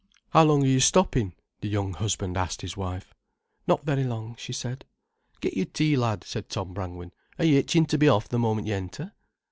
"How long are you stopping?" the young husband asked his wife. "Not very long," she said. "Get your tea, lad," said Tom Brangwen. "Are you itchin' to be off the moment you enter?"